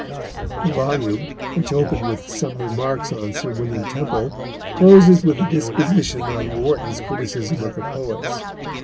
The volume, which opened with some remarks on Sir William Temple, closes with a disquisition on Warton's criticism of the poets.